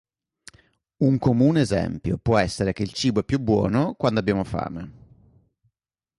Un comune esempio può essere che il cibo è più buono quando abbiamo fame.